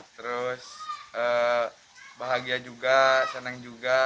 terus bahagia juga senang juga